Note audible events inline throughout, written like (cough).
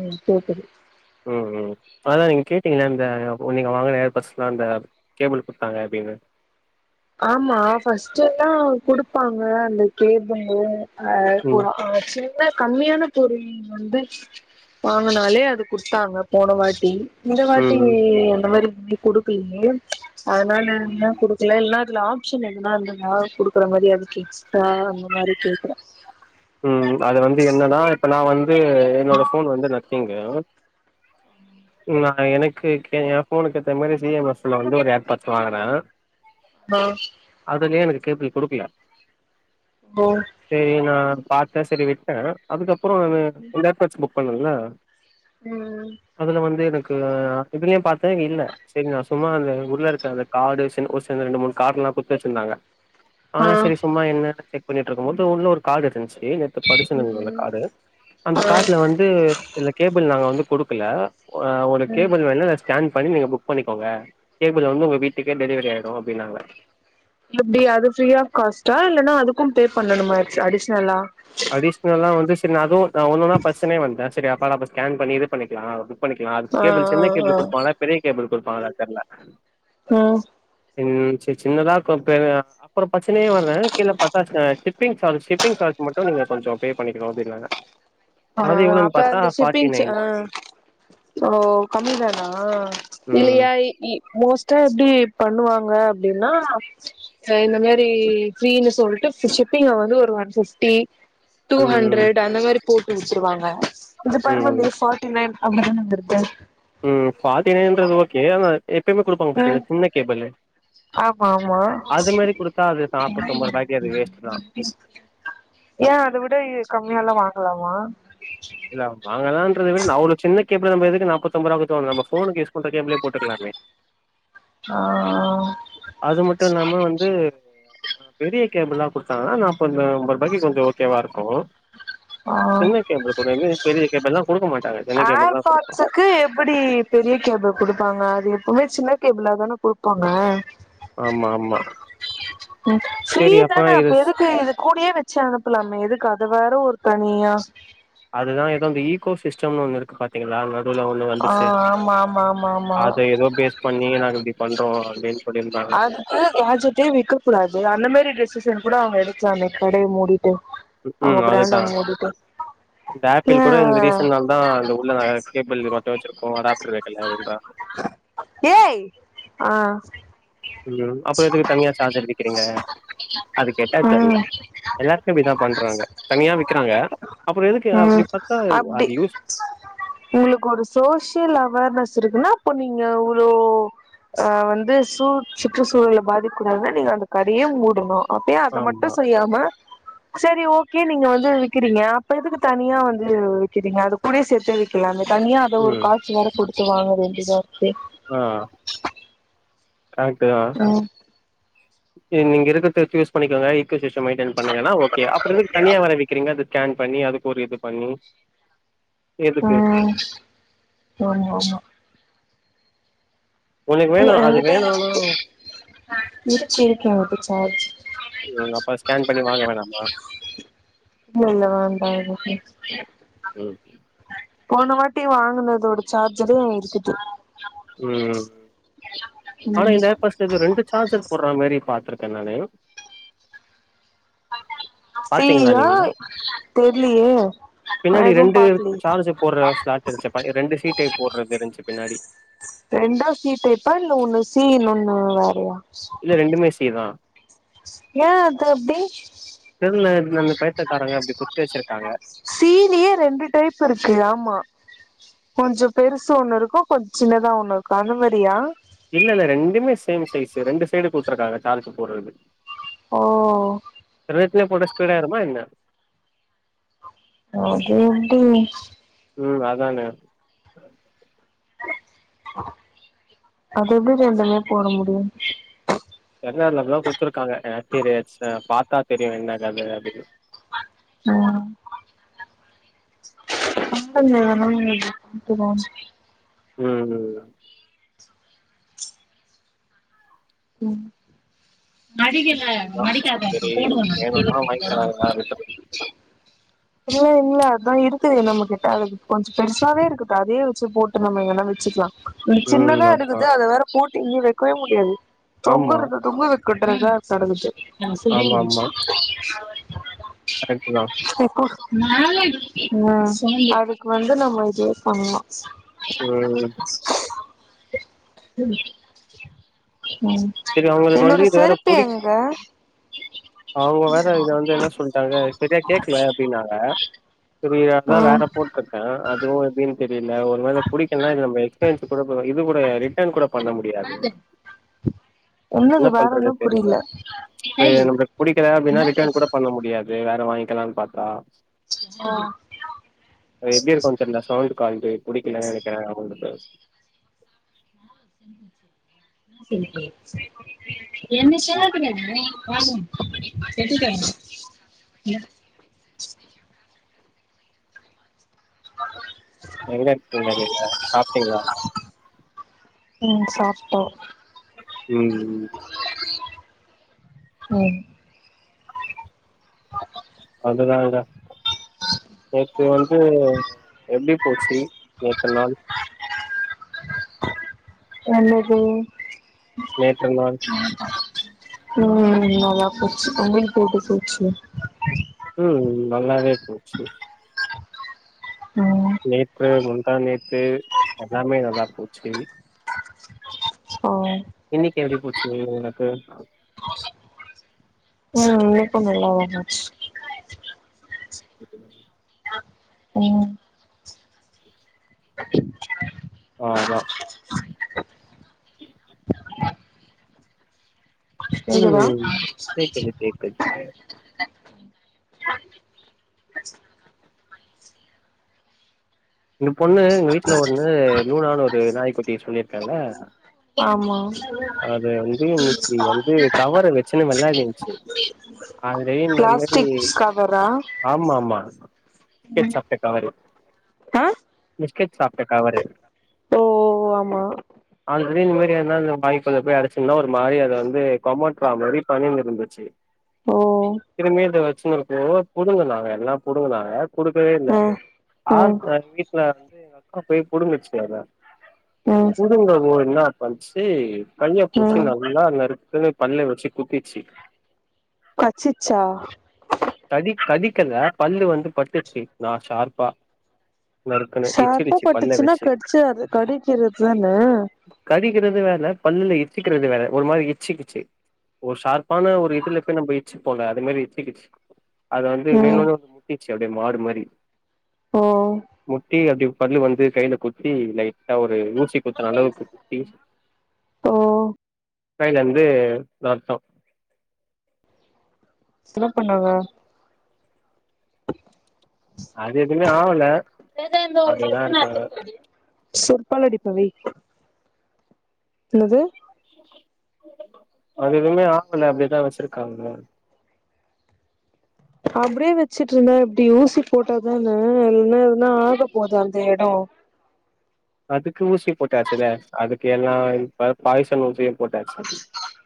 ம் சேர் செரி ம் ம் அதா நீங்க கேட்டீங்கள இந்த நீங்க வாங்குற ஏர் பட்ஸ்லா இந்த கேபிள் குட்த்தாங்க அப்டினு ஆமா ஃபர்ஸ்ட் எல்லா குடுப்பாங்க அந்த கேபிளு ஆ ம் புர ஆச்சு ன கம்மியான பொருள் வந்து வாங்கனாலே அது குட்த்தாங்க போன வாட்டி இந்த வாட்டி ம் அந்த மாரி குடுக்கிலியே அதனால ம் எ ம் குடுக்கல இல்னா இதுல ஆப்ஷன் எதுனா இந்துந்தா குடுக்குற மாரி அதுக்கு எக்ஸ்ட்ரா அந்த மாரி கேக்கற ம் அது வந்து என்னனா இப்ப நா வந்து என்னோட ஃபோன் வந்து நத்திங்கு ம் நா எனக்கு கே எ ஃபோனுக்கு ஏத்த மாரி சி எம் எஃப் ல வந்து ஒரு ஏர் பாட்ஸ் வாங்கனே ஆ அதுலியே எனக்கு கேபிள் குடுக்ல ஓ சேரி நா பாத்தே சேரி விட்டே அதுக்கப்புறோ நானு இந்த ஏர் பாட்ஸ் புக் பண்ண இல்ல ம் அதுல வந்து எனக்கு இதுலியும் பாத்தே நீ இல்ல செரி நா சும்மா அந்த ஊர்ல இருக்க அந்த காடு சென்னு ஒரு சென்னு ரெண்டு மூன் காட்லா குட்த்து வச்சிந்தாங்க ஆ செரி சும்மா என்னனு செக் பண்ணிட்ருக்கும்போது உள்ள ஒரு கார்ட் இருன்ச்சி நெத் து படிச்சிந்தங்க அந்த ம் காரு அந்த ஆ கார்ல வந்து இந்த கேபிள் நாங்க வந்து குடுக்கல அ ஒரு ம் கேபிள் வெள்லதச் ஸ்கேன் பண்ணி நீங்க புக் பண்ணிகோங்க கேபிள் வந்து ஒங்க வீட்டுக்கே டெலிவரி ஆயிடு அப்டினாங்க எப்டி அது ஃப்ரீ ஆஃப் காஸ்ட்டா இல்லனா அதுக்கும் பே பண்ணனுமாச் அடிஷ்னலா அடிஷ்னலா வந்து செரி நா அது நா ஒன்னொன்னா பர்சனே வந்தே செரி அப்பாடா அப்ப ஸ்கேன் பண்ணி இது பண்ணிக்லா அப்டி பண்ணிக்லா அது ஆ கேபிள் சின்ன ஆ கேபிள் ஆ குடுப்பாங்ளா பெரிய கேபிள் குடுப்பாங்களா தெர்ல ம் ம் சே சின்னதாக்கு பெருயா அப்பற பர்சனையே வர கீழப் பாத்தா அ ஷிப்பிங் சார்ஜ்ஸ் ஷிப்பிங் சார்ஜ் மட்டு நீங்க கொஞ்சோ பே பண்ணிக்கணு அப்டினாங்க ஆ அப்ப அந்த ஷிப்பிங் சா ஆ ஓ கம்மி தானா ம் இல்லியா இ இ மோஸ் டா எப்டி பண்ணுவாங்க அப்டின்னா சோ இந்த மேரி ஃப்ரீனு சொல்ட்டு ஷிப்பிங்க வந்து ஒரு ஒன் ஃபிஃப்டி டூ ம் ஹண்ரட் அந்த மாரி போட்டு உட்டுருவாங்க இந்த ம் பருவந்து ஃபாட்டி நைன் அப்டிதானே வந்திருக்கு ம் ஃபாட்டி நைன்றது ஓகே ஆனா எப்பயுமே குடுப்பாங்க பாத்ய ம் இந்த சின்ன கேபளு ஆமா ஆமா அது நாப்பத்தொம்போது ரூபாய்க்கு அது வேஸ்ட்டு தா ஏ அத விட இது கம்மியாலா வாங்கலாமா இல்ல வாங்கலான்றது விட நா ஒரு சின்ன கேபிள நம்ம எதுக்கு நாப்த்தொம்பருவா குத்து வாங்கணு நம்ம ஃபோனுக்கு யூஸ் பண்ற கேபிளே போட்டுக்கலாமே ஆ ஆ அது மட்டு இல்லாம வந்து அ பெரிய கேபிளா குட்த்தாங்கனா நா (unintelligible) பொருபாய்க்கி கொஞ்சோ ஓகேவாருக்கு ஆ சின்ன கேபிள் (unintelligible) பெரிய கேபிள்லா குடுக்க மாட்டாங்க சின்ன கேபிள் தா குடுப்பா எப்புடி பெரிய கேபிள் குடுப்பாங்க அது எப்பவுமே சின்ன கேபிளாதானே குடுப்பாங்க ஆமா ஆமா ம் ஃப்ரீ சரி தான இது அப்ப எதுக்கு இது கூடியே வெ ச்சு அனுப்பலாமே எதுக்கு அது வேற ஒரு தனியா அதுதா எதோ அங்க ஈகோ சிஸ்டம்னு ஒண்ணு இருக்கு பாத்தீங்களா அங்க இதுவுல ஒண்ணு ஆ வந்துச்சே ஆமா ஆமா ஆமா ஆமா அது எதோ பேஸ் பண்ணி நாங்க இப்டி பண்றோ அப்டின் அது ப்ராஜக்ட்டே விக்க கூடாது அந்த மாரி டெஷிஸன் கூட அவுங்க எடுக்லாமே கடைய மூடிட்டு அவுங்க ம் ப்ராண்ட அதுதா மூடிட்டு இந்த ஆப்பிள் ஏ கூட இந்த ரீசன் நாள் தா இந்த உள்ள (unintelligible) கேபிளு மத்த வெச்சிருக்கு அடாப்ட்ரு வெக்கல (unintelligible) ஏய் ஆ ம் அப்போ எதுக்கு தனியா சார்ஜர் வெக்கிறீங்க அது கேட்டா தெர்ல ம் எல்லார்க்கு இப்டிதா பண்றாங்க தனியா விக்கிறாங்க அப்புறோ எதுக்கு ம் அப்டி பாத்தா ஒ அப்டி அது யூஸ் உங்களுக்கு ஒரு சோசியல் அவார்னஸ் இருக்குன்னா அப்போ நீங்க ஒரு ஓ ஆ வந்து சு சுற்றுச்சூழல பாதிக் கூடாதுனா நீங்க அந்த கடையே மூடணு அப்ப ஏ அத மட்டு ஆமா செய்யாம செரி ஓகே நீங்க வந்து விக்கிறீங்க அப்ப எதுக்கு தனியா வந்து வ விக்கிறீங்க அது கூடயே சேர்த்து வி க்கலாமே தனியா அத ஒரு ம் காசு வேற குடுத்து வாங்க வேண்டிதாருக்கு ஆ ஃபேக்ட்டு தா ம் நீங்க இருக்குற்த வெச்சி யூஸ் பண்ணிக்கோங்க ஈக்கோ சிஸ்டம் மெயின்ட பண்ணுங்கனா ஓகே அப்புற எதுத் தனியா வேற விக்கிறீங்க அது ஸ்கேன் பண்ணி அதுக்கு ஒரு இது பண்ணி அ எதுக்கு ஆமா ஆமா உனக்கு இல்ல வேணு அது எங்கிட்ட வேணுனா இருக்கு இருக்கு இருக்கு எனக்கு சார்ஜ் ம் அப்ப ஸ்கேன் பண்ணி வாங்க வேணாமா இல்ல இல்ல வேண்டா எதுக்கு ம் போன வாட்டி வாங்குனதோட சார்ஜரே இருக்குது ம் ஆனா ம் இந்த ஏர் பஸ்டு இது ரெண்டு சார்ஜர் போட்ற மாரி பாத்ருக்கே நானு பாத்தீங்களா சீயா நீங்க தெர்லியே நா பின்னாடி எதுவு ரெண்டு பாக்லயே சார்ஜர் போடுற ஸ்லாட் இருந்துச்சு ரெண்டு சீ டைப் போடுற மேரி இருந்துச்சு பின்னாடி ரெண்டு சீ டைப்பா இல்ல ஒண்ணு சீ இன்னொண்ணு வேறையா இல்ல ரெண்டுமே சீ தா ஏ அது அப்டி திருந்த அந்த பயத்தியக்காரங்க அப்டி குடுத்து வெச்சிருக்காங்க சீ லியே ரெண்டு டைப் இருக்கு ஆமா கொஞ்சோ பெருசு ஒண்ணு இருக்கு கொஞ்சோ சின்னதா ஒண்ணு இருக்கு அந்த மாரியா இல்லல்ல ரெண்டுமே சேம் சைஸ்சு ரெண்டு சைடு குடுத்துருக்காங்க சார்ஜு போட்றதுக்கு ஓ (unintelligible) போட்டா ஸ்பீடா ஏருமா என்ன அது வந்து ம் அதானே அது எப்டி ரெண்டுமே போட முடியு தெரில அதுல அப்டியா குடுத்துருக்காங்க (unintelligible) பாத்தா தெரியு என்ன கத அப்டின்னு ஆ (inaudible) ம் அதுதா செரி வேணும்னா வாங்கிக்கலா (inaudible) இல்ல இல்ல அதா இருக்குதே நம்ம கிட்ட அதுக்கு கொஞ்சோ பெருசாவே இருக்குது அதே வெச்சு போட்டு நம்ம எங்கன்னா வெச்சுக்லா இந்த ம் சின்னதா அதா இருக்குது அத வேற போட்டு இங்கய வைக்கவே முடியாது ஆமா தொங்குயிருது தொங்குது (unintelligible) கரெக்குட்டுதா அதுக்கு வந்து நம்ம இதே பண்லா ம் ம் செரி அவங்களுக்கு என்னோட வந்து இதுவேற செருப்பு புடிக் எங்க அவங்க வேற இத வந்து என்ன சொல்ட்டாங்க செரிய கேக்கல அப்டின்னாங்க ஆ (unintelligible) வேற போட்டிருக்கே அதுவு எப்டின்னு தெரில ஒரு வேல புடிக்கலனா எக்சேஷ் கூட இது கூட ரிட்டர்ன் கூட பண்ண முடியாது என்னது என்ன வேற பண்றதுனே தெரில புரியல இப்ப நம்ம புடிக்கல அப்டின்னா ரிட்டர்ன் கூட பண்ண முடியாது வேற வாங்கிக்கலான்னு பாத்தா அது எப்டி இருக்குனு தெரில சவுண்ட் குவாலிட்டி புடிக்கலன்னு நெனைக்கிற அவங்களுக்கு செரி ப்ரோ ம் (inaudible) (inaudible) எங்க இருக்கீங்க நீங்க சாப்ட்டீங்ளா ம் சாப்ட்டோ ம் ம் அதுனாலதா நேத்து வந்து எப்டி போச்சு நேத்த நாள் என்னது நேத்து நாள் ஓ நல்லா போச்சு உங்களுக்கு எப்டி போச்சு ம் நல்லாவே போச்சு ம் நேத்து முந்தாநேத்து எல்லாமே நல்லாப்போச்சு ஓ இன்னிக்கி எப்டி போச்சு லீவு உனக்கு ம் இன்னைக்கோ நல்லாதா போச்சு முடிஞ்ச்சு உம் ஆ அதா கேக்குதா ம் கேக்குது கேட்டுச்சு. இங்க பொண்ணு எங்க வீட்ல ஒண்ணு லூனான்னு ஒரு நாய்க்குட்டி சொல்லியிருக்கேல. ஆமா அது வந்து (unintelligible) வந்து கவர வெச்சுனு வெளாடிந்த்ச்சு ஆல்ரெடி இந்த மேரி பிளாஸ்டிக் கவரா ஆமா ஆமா பிஸ்கேட் சாப்ட்ட கவரு ஆ பிஸ்கேட் சாப்ட்ட கவரு ஓ ஆமா ஆல்ரெடி இந்த மாரி ஏதாவது வாய்க்குள்ள போய் அடைச்சுன்னா ஒரு மாரி அது வந்து கொமோட்ரா மாரி பண்ணினுயிருந்துச்சு. ஓ திரும்பியு இத வெச்சினுயிருக்கப்போ புடுங்கனாங்க எல்லா புடுங்குனாங்க குடுக்கவே இல்ல ம் ம் ஹாஸ்பிட்ல அட்மிட்ல இர்ந்து எங்க அக்கா போய் புடுங்குச்சு அத ம் புடுங்குனப்போ இன்னா பன்ச்சு கைய புச்சு ம் நல்லா நறுக்குனு பல்ல வெச்சு குத்திச்சி கட்சுச்சா. கடி கடிக்கல பல்லு வந்து பட்டுச்சு நா ஷார்ப்பா நறுக்குன்னு ஷார்ப்பா இச்சிடுச்சு பல்ல பட்டுச்சுன்னா வச்சு கட்சா அது கடிக்கிறது தான. கடிக்குறது வேற பல்லுல இட்ச்சுக்குறது வேற ஒரு மாரி இட்ச்சிகிச்சி ஒரு ஷார்ப்பான ஒரு இதுல போய் நம்ம இட்சுபோல அத மாரி இச்சிக்கிச்சி அத வந்து ம் வேணோனு. கீச்சி அப்டியே மாடு மாரி. ஓ முட்டி அப்டி பல்லு வந்து கையில குத்தி லைட்டா ஒரு ஊசி குத்தன அளவுக்கு. டீஃப் ஓ கைலயிந்து ரத்தோ சிவப்பண்ணுவா அது எதுவுமே ஆவல ஏதோ அந்த ஒரு அப்டியேதா பிரச்சன இருக்காங்க ஆச்சுனு சொன்னியே செருப்பால அடிப்ப வெய் என்னது அது எதுமே ஆகல அப்டியேதா வெச்சிருக்காங்க. அப்டியே வெச்சிட்டு இருந்தா எப்டி ஊசி போட்டாதான இல்லனா என்ன ஆக போது அந்த எடோ அதுக்கு ஊசி போட்டாச்சுல அதுக்கு எல்லா பா பாய்சன் ஊசியு போட்டாச்சு அது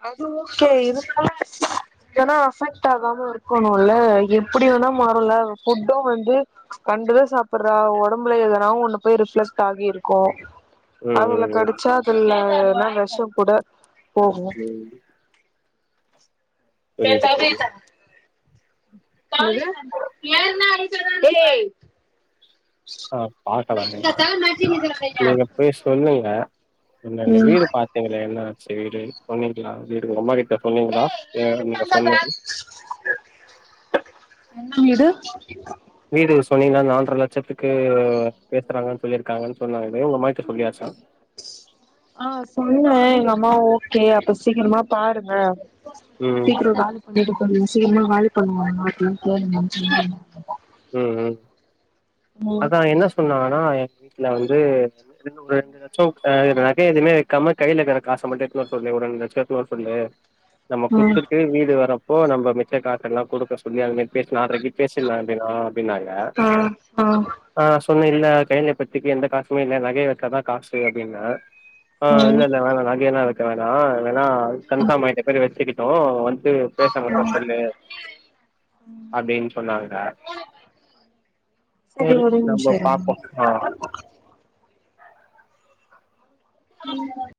அது ஓகே இதனால ஏன்னா அஃபெக்ட்டாகாம இருக்கணோல எப் புடி வேணா மாறோல ஃபுட்டோ வந்து கண்டதா சாப்புடுறா ஒடம்புல எதனாவு ஒண்ணு போய் ரிஃப்ளெக்ட் ஆகி இருக்கோ ம் அவுங்கல ம் கடிச்சா அதுல எதனா வெஷோ கூட போகோ ம் ம் புரியுது புரியுது ஏக்க ஆ பாக்கலாங்க என்னதா (unintelligible) நீங்க போய் சொல்லுங்க என்ன இங்க ம் வீடு பாத் எங்கள என்ன ஆச்சு வீடு சொன்னீங்களா வீடு உங்கொம்மாகிட்ட சொன்னீங்களா. ஏ நீங்க சொன்ன என்ன வீடு வீடு சொனிங்கா நால்ர லட்சத்துக்கு பேஸ்றாங்கன் சொல்லியிருக்காங்கன் சொன்னாங்களே உங்கம்மாய்ட்ட சொல்லியாச்சா. ஆ சொன்ன எங்கம்மா ஓகே அப்ப சீக்கிரமா பாருங்க ம் சீக்ரு காலி பண்ணிட்டு சொல்லுங்க சீக்மா வாலி பண்ணு ஆனா பொய் கேளுங்க (unintelligible) ம் ம் ம் அதா என்னாஸ் சொன்னாங்கனா எங் வீட்ல வந்து (inaudible) ஒரு ரெண்டு லட்சம் நகை எதுமே கம்மட் கைல இக்கற காச மட்டு எடுத்துனு வர சொல்லு ஒரு ரெண் லட்சம் எடுத்துனு வர சொல்லு நம்ம ம் குச்சுத் இ வீடு வரப்போ நம்ப மிச்ச காசெல்லா குடுக்க சொல்லி அவிங்க பேஸ் நால்ரெக்கி பேசிர்லா பினா பினாங்க ஆ ஆ ஆ சொன்னில்ல கைய்ல இப்பத்திக்கி எந்த காசுமே இல்ல நகைய வக்கதா காசு அப்டின்ன ஆ ம் இல்ல இல்லல வேணா நிலையில்லா வக்க வேணா வேணா கன்ஃபார்ம் ஆயிட்ட பேரு வச்சுக்கிட்டு வந்ட்டு பேச மட்டு சொல்லு அப்டின் சொன்னாங்க சரி ஒரு நிமிஷோ நம்ம இருங்க பாப்போ ஹா நி மோல்